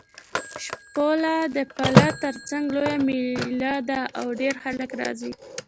شپوله د پله تر څنګ لویه مېله ده او ډېر خلک راځي.